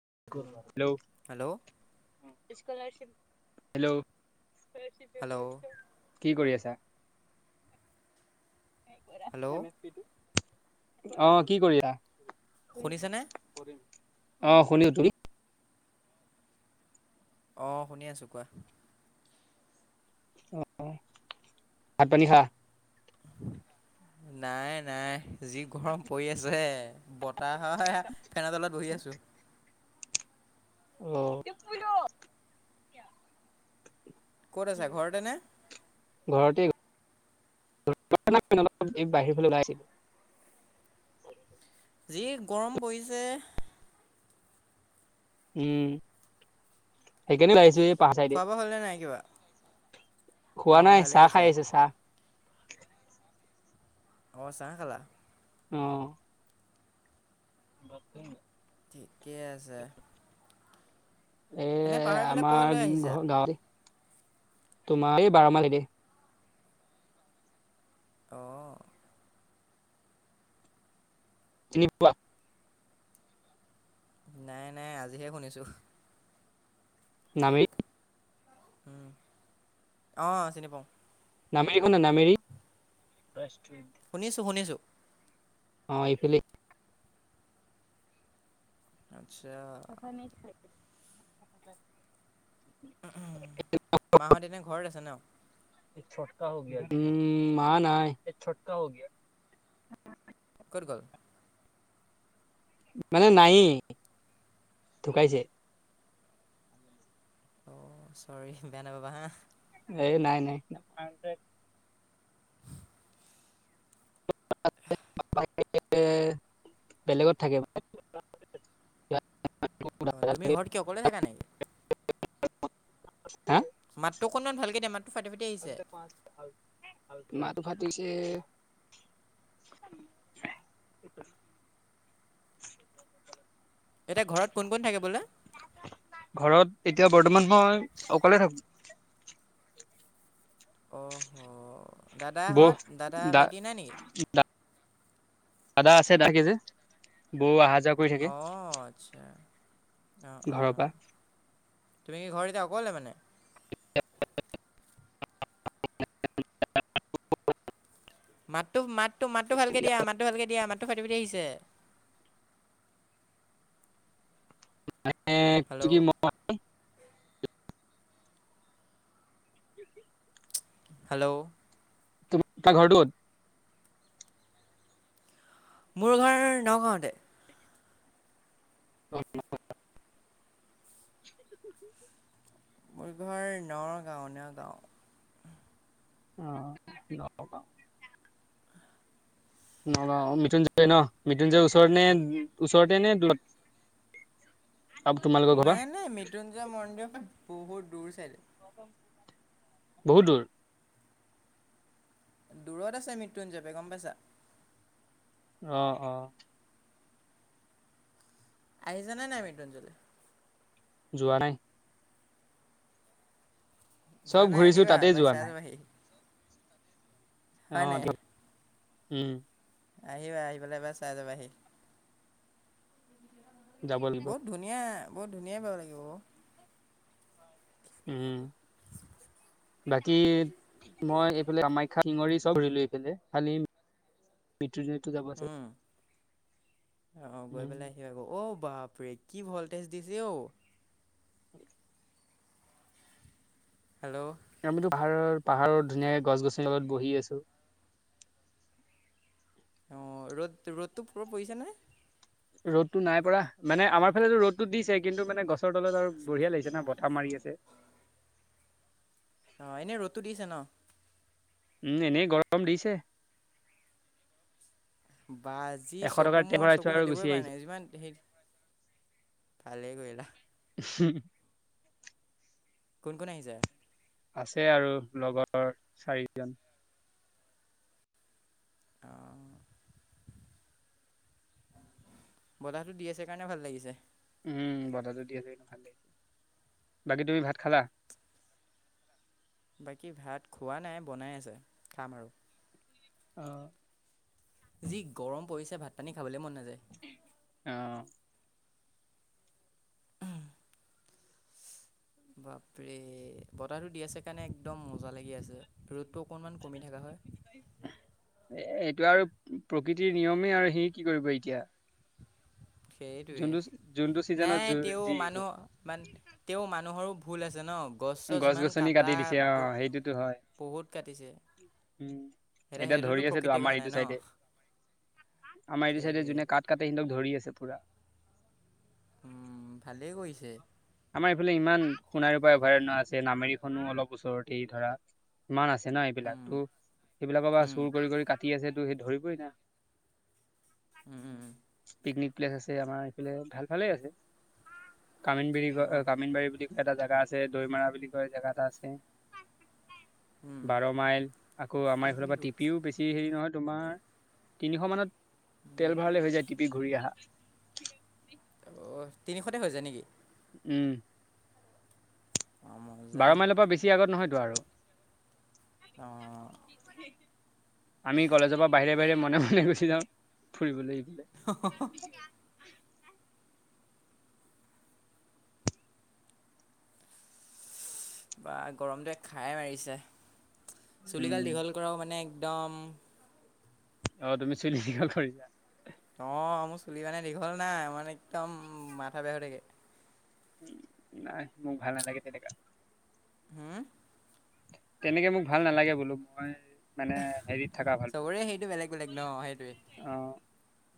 [inaudible] Hello hello hello কি কৰি আছা হেল্ল' অহ কি কৰিলা শুনিছেনে? অহ শুনো তুমি অহ শুনি আছো কোৱা? আহ ভাত পানী খালা নাই নাই যি গৰম পৰি আছে হে বতাহ ফেনতলত বহি থিকেই আছো। অ ক'ত আছ ঘৰতেনে। ঘৰতে। অলপ এই বাহিৰ ফালে ওলাইছিলো। যি গৰম পৰিছে। উম সেই কাৰণে উলাই আহিছো এই পাহাৰ চাইডে খোৱা বোৱা হ'ল নে নাই কিবা। খোৱা অঁ নাই ভালে চাহ খাই কৰিছা। আহিছো আছো চাহ। অ চাহ খালা। আহ ব [inaudible] ঠিকে আছে। এ এনে পাহৰি পেলাই ক'লৈ আমাৰ আহিছা? গাঁৱ তোমাৰ এই বাৰ মাহৰি আহ চিনি পোৱা। নাই নাই আজিহে শুনিছোঁ। নমি উম আহ চিনি পাওঁ। নামেৰি শুনা নামেৰি। শুনিছোঁ শুনিছোঁ। অহ এইফালে আচ্ছা [unintelligible] উম উম মাহত এনেই ঘৰত আছে ন এই চোটকা হৈ গয়া উম! মা নাই এই চোটকা হৈ গৈয়া। ক'ত গল। মানে নাই, ঢুকাইছে। অ চৰি বেয়া নাই নাপাবা হা। এই নাই নাই। [inaudible] [unintelligible] বেলেগত থাকে মানে। তুমি ঘৰত কিয় অকলে থাকা নেকি? মাতটো অকণমান ভাল কে দিয়া মাত, মাতিতো ফাটিছে। [inaudible] [unintelligible] এতিয়া ঘৰত কোন কোন থাকে বোলে। ঘৰত এতিয়া বৰ্তমান মই অকলে থাকো। অঁহ! দাদা বৌ হত দাদা ভাইটি নাই নেকি? আদা আছে দা কেই যে বৌ আহা অহ আচ্ছা অহ ঘৰৰ অহ পৰা তুমি কি ঘৰে এতিয়া অকলে মানে। [unintelligible] [unintelligible] মাততো মাততো মাততো ভালকে দিয়া মাততো ভালকে হ'ব দিয়া মাতো ফাটি ফাটি আহিছে। [inaudible] হেল্ল' ম [unintelligible] হেল্ল' তুমা ঘৰটো ক'ত মোৰ ঘৰ নগাঁওঁতে। হু, হু মোৰ ঘৰ নগাঁও নগাঁও। অ' নগাঁও নগাঁও, মৃত্যুঞ্জয় ন মৃত্যুঞ্জয় ওচৰত নে? ওচৰতে নে দূৰত? তোমালোকৰ ঘৰৰ পৰা নাই নাই মৃত্যুঞ্জয় মন্দিৰখন বহুত দূৰ চাইদে। বহুত দূৰ? দূৰত আছে মৃত্যুঞ্জ গম পাইছা। অহ অহ' আহিছা নে নাই মৃত্যুঞ্জয়লে? যোৱা নাই। চব যোৱা নাই, ঘূৰিছো আহিবা তাতে এবাক যোৱা চাই যাবাহি। হয় অহ' নাই? দিয়ক উম'- আহিবা আহি পেলাই এবাৰ চাই যাবাহি। যাব লাগিব বহুত ধুনীয়া বহুত ধুনীয়া বাও লাগিব। উম' বাকী মই এইফালে কামাখ্যা, শিঙৰি চব ঘুৰিলো এইফালে, খালি পিত উম' অহ' গৈ উম পেলাই আহিবা, অঔ বাপৰে কি ভল্টেজ দিছে অঔ। কি হেল্ল' আমিতো পাহাৰ পাহাৰৰ ধুনীয়াকে গছ-গছিৰ লগত বহি আছো। অ ৰ'দ ৰ'দটো প পৰিছে নে? ৰ'দতটো নাই পৰা, মানে আমাৰ ফালে ৰ'দতটো দিছে কিন্তু মানে গছৰ তলত আৰু বঢ়িয়া লাগিছে না বতাহ মাৰি আছে। অ এনেই ৰ'দতো দিছে ন? উম' এনেই গৰম দিছে। বা যি এশ টকাৰ চকু তেল মোৰ ভৰাইছো চকু আৰু গুচি মেলিবই পৰা আহিছো। নাই যিমান হেৰি ভালে কৰিলা। উম' কোন কোন আহিছে? আছে আৰু লগৰ চাৰিজন। অ' বতাহতো দি আছে কাৰণে ভাল লাগিছে। উম বতাহটো দি আছে কাৰণে ভাল লাগিছে, বাকী তুমি ভাত খালা? বাকী ভাত খোৱা নাই বনাই আছে, খাম আৰু। অ' যি গৰম পৰিছে ভাত পানী খাবলৈ মন নাযায়। অহ' বাপৰে বতাহটো দি আছে কাৰণে একদম মজা লাগি আছে, ৰ'দতটো অকনমান কমি থকা হয়। এ এইটো আৰু প্ৰকৃতিৰ নিয়মে আৰু সি কি কৰিব এতিয়া। সেইটোৱে যোনটো যোনটো চিজনত নাই, তেওঁ যি মানুহ মান তেওঁ মানুহৰো ভুল আছে ন, গছ চছ ইমান গছনি কাটি কাটা দিছে ব অ', সেইটোতো হয় বহুত কাটিছে। উম। এতিয়া হেইটো ধৰি টো আছেতো প্ৰকৃতি আমাৰ কাৰণে এইটো ন। চাইডে আমাৰ এইটো চাইডে সেইটোৱে যোনে কাঠ কাটে সিহঁতক ধৰি আছে পুৰা। উম' ভালেই কৰিছে। আমাৰ ইফালে ইমান সোণাৰ পৰা অভয়াৰণ্য আছে নামেৰি খনো অলপ ওচৰতেই ধৰা। মান আছে। ন এইবিলাক উম তো সেইবিলাকৰ পৰা উম চুৰ কৰি কৰি কাটি আছে তো সেই ধৰিবই না। উম উম পিকনিক প্লেচ আছে আমাৰ এইফালে ভাল ভালে আছে কামিন বিৰি। অঁ কামিনবাৰী বুলি কয় এটা জেগা আছে দৈমাৰা বুলি কয় জেগা এটা আছে। উম বাৰ মাইল আকৌ আমাৰ এইফালৰ পৰা সেইখিনিতো টিপিও বেছি হেৰি নহয়। তোমাৰ তিনিশ মানত তেল ভৰাালে হৈ যায় টিপি ঘূৰি আহা। অঁ তিনিশতে হৈ যায় নেকি? উম অঁ মজা বাৰ মাইলৰ পৰা বেছি আগত নহয়তো। আৰু অ আমি কলেজৰ পৰা বাহিৰে বাহিৰে মনে মনে গুচি যাওঁ ফুৰিবলৈ। [inaudible] বা গৰমটোয়ে খাই মাৰিছে চুলিগাল উম। দীঘল কৰাও মানে। দম। অ তুমি চুলি কিয় কৰিছা? অ মোৰ চুলি মানে দীঘল নাই মানে একদম মাথা বেয়া হৈ থাকে। নাই মোক ভাল নালাগে তেনেকা। হম। তেনেকে মোক ভাল নালাগে বোলো। মই মানে হেৰিত থকা ভাল পাওঁ। চবৰে সেইটো বেলেগ বেলেগ ন অ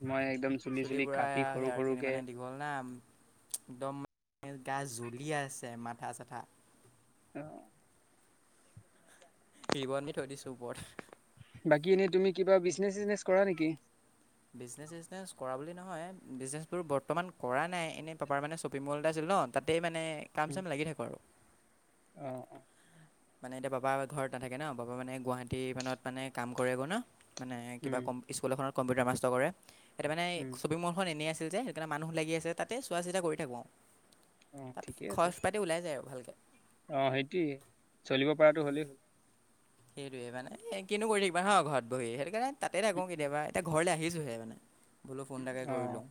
মই একদম চুলি পূৰা কাটি সৰু সেয়াৰ খিনি সৰুকে মানে দীঘল না। একদম মানে গা জ্বলি আছে মাথা চাথা। অ। ৰিবন দি থৈ দিছো ওপৰত। বাকী এনেই তুমি কিবা বিজনেচ চিজনেছ কৰা নেকি? বিজনেচ চিজনেছ কৰা বুলি নহয় বিজনেছ বোৰ বৰ্তমান কৰা নাই এনে পাপাৰ মানে শ্বপিং মল এটা আছিল। ন তাতেই মানে কাম চাম লাগি থাকো আৰু অঁ অঁ মানে এতিয়া বাবা ঘৰত নাথাকে ন বাবা মানে গুৱাহাটী মানত মানে কাম কৰেগৈ না মানে কিবা উম স্কুলত এখনত কম্পিউটাৰ মাষ্টৰ কৰে সেইটো মানে উম শ্বপিং মল খন এনেই আছে। যে সেইকাৰণে মানুহ লাগি আছে তাতে চোৱা চিতা কৰি থাকো অ। অ ঠিকেই আছে ভালকৈ অ সেইটোৱে। চলিব পৰাটো হ'লেই হ'ল। সেইটোৱে মানে কিনো কৰি থাকিবা ন ঘৰত বহি সেইটো কাৰণে তাতে থাকো উম উম কেতিয়াবা এতিয়া ঘৰলৈ আহিছো। হে মানে বোলো ফোনটাকে অ কৰি লওঁ।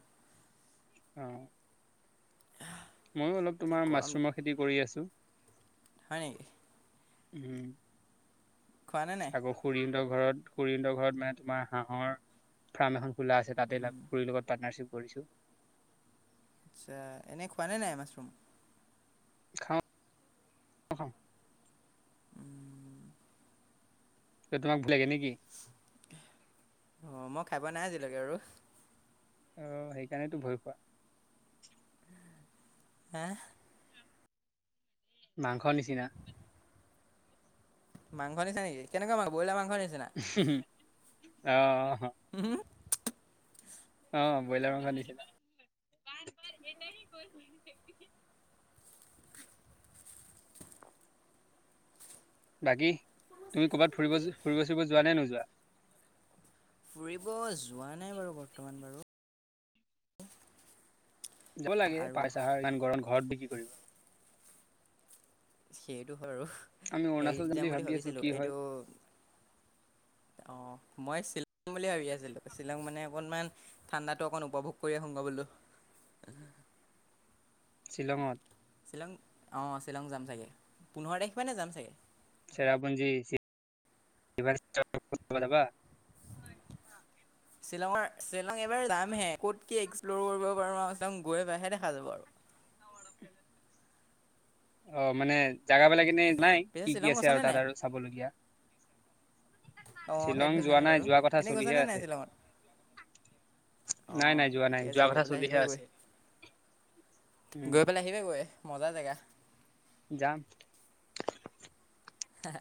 মইয়ো অলপ যি তোমাৰ গৰম মাছৰুমৰ খেতি কৰি আছো। হয় নেকি? উম খোৱানে নাই আকৌ খৰিন্দৰ ঘৰত খৰিন্দৰ ঘৰত মানে তোমাৰ হাঁহৰ ফাৰ্ম এখন। খোলা আছে তাতে উম, খুৰীৰ লগত পাৰ্টনাৰশ্বিপ কৰিছো। আচ্ছা এনে খোৱা নে নাই মাছৰুম। খাওঁ। ত তোমাক ভুল লাগে নেকি? অঁ মই খাই পোৱা নাই আজিলৈকে আৰু আহ সেইকাৰণেতো ভয় খোৱা। হা মাংসৰ নিচিনা। মাংস নিচনা নেকি কেনেকুৱা মাংস ব্ৰইলাৰ মাংসৰ নিচিনা। অহ উম অ ব্ৰইলাৰ মাংস নিছিলে এট কৰ [unintelligible] [inaudible] বাকী তুমি ক'ৰবাত ফব ফুৰিব ফুৰিব যোৱা নে নোযোৱা? ফুৰিব যোৱা নাই বাৰু বৰ্তমান বাৰু। যাব লাগে আৰু পাহাৰ চাহাৰ ইমান গৰম ঘৰতনো কি কৰিবা। সেইটো। আৰু, আমি অৰুণাচল হেৰিত যাম বুলি ভাবি আছো ভাবিছিলো কি এইটো হয়। অ। মই শ্বিলং বুলি ভাবি আছিলো, শ্বিলং মানে অকনমান ঠাণ্ডাটো অকণ উপভোগ কৰি আহো গ বোলো। শ্বিলঙত, শ্বিলং অ শ্বিলং যাম চাগে পোন্ধৰ তাৰিখ মানে যাম চাগে। স আপুনি [unintelligible] উ অ [unintelligible] শ্বিলঙৰ শ্বিলং এবাৰ দাম হে ক'ত কি এক এক্সপ্ কৰিব পাৰোঁ আৰু চাম গৈ পাইহে দেখা যাব আৰু ে [inaudible] অ মানে জাগাবিলাক এনেই নাই পিছে কি কি শ্বিলং আছে আৰু গৈছানে তাত নাই আৰু চাবলগীয়া। অঁ শ্বিলং সেইটো যোৱা জানো নাই বাৰু যোৱা কথা এনেই চলিহে গৈছানে নাই আছে। শ্বিলঙত নাই অঁ নাই যোৱা নাই ঠিকে আছে যোৱা কথা চলিহে আছে। উম, গৈ পেলাই আহিব গৈ মজা জেগা। যাম। হ [inaudible]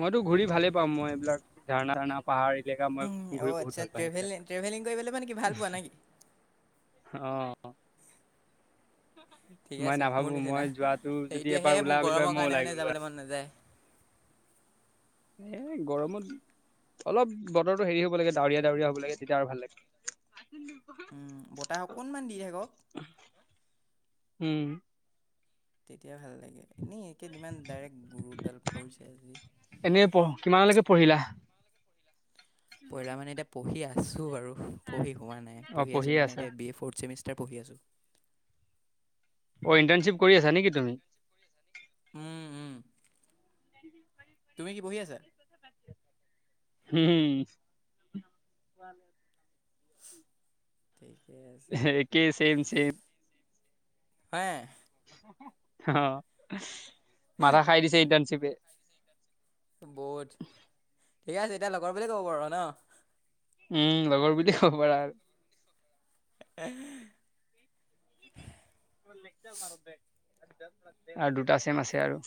মইতো ঘূৰি ভালে পাম মই এইবিলাক ঝাৰণা ঝাৰণা পাহাৰ বলেকা মই অঁ ঘূৰি বহুত আচ্ছা ভাল পাওঁ ট্ৰেভেলিং ট্ৰেভেলিং কৰিবলৈ মানে কি ভাল পোৱা সেইবিলাক। নেকি আহ ঠিকে মই আছে মোৰ নাভাবো মই নিচিনা যোৱাাতটো যদি এতিয়াহে এবাৰ ওলা মোৰ বুলি ভাব গৰমৰ মই কাৰণে ওলাই মানে গলো যাবলৈ আৰু। মন নাযায় এ গৰমত। অলপ বতৰটো হেৰি হ'ব লাগে ডাৱৰীয়া ডাৱৰীয়া হব লাগে তেতিয়া আৰু ভাল লাগে। উম বতাহ অকণমান দি থাকক উম তেতিয়া ভাল লাগে, এনেই একেইদিন ইমান ডাইৰেক্ট গুৰুডাল পৰিছে আজি। এনেই পঢ় কিমানলৈকে পঢ়িলা? পঢ়া মানে এতিয়া পঢি আছো আৰু, পঢ়ি হোৱা নাই অ পঢ়ি আছো পঢ়িয়ে মানে আছা এতিয়া বি এ ফ'ৰ্ট চেমিষ্টাৰ পঢ়ি আছোঁ। অ ইণ্টাৰ্নশ্বিপ কৰি আছা নেকি তুমি? উম উম। তুমি কি পঢ়ি আছা? উম ঠ [inaudible] একেই চেম চেম হয় অ মাথা খাই দিছে ইটাৰ্ণশ্বিপে। বহুত ঠিকে আছে এতিয়া লগৰ বুলিয়ে ক'ব পাৰো ন। উম লগৰ বুলি ক'ব পাৰা আৰু। উম [unintelligible] আৰু দুটা চেম আছে আৰু।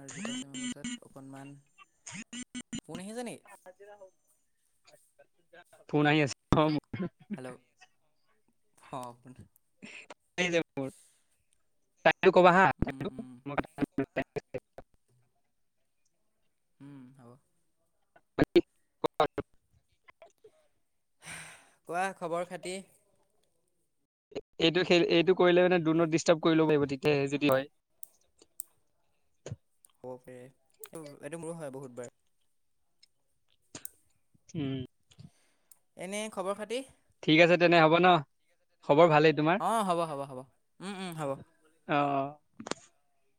আৰু দুটা চেমৰ পছত অকণমান ফোন আহিছে নি? ফোন আহি আছে। অ। ম ত কবা হা। উম উম উম হ। [unintelligible] কোৱা খবৰ খাতি। এইটো সেই এইটো কৰিলে মানে দো নত ডিষ্টাৰ্ব কৰি ল'ব পাৰিব তেতিয়াহে যদি হয় [unintelligible] হ'ব বে এইটো মোৰো হয় বহুতবাৰ উম এনে খবৰ খাতি ঠিক আছে তেনে হ'ব ন খবৰ ভালেই তোমাৰ অঁ হ'ব হ'ব হ'ব উম উম হ'ব অ [unintelligible]